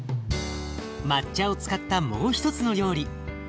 抹茶を使ったもう一つの料理。